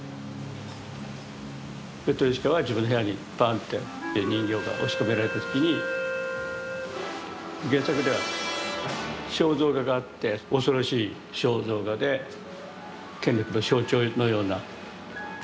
ペトルーシュカは自分の部屋にバンって人形が押し込められた時に原作では肖像画があって恐ろしい肖像画で権力の象徴のような。